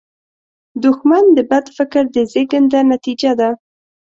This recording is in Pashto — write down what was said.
دښمن د بد فکر د زیږنده نتیجه ده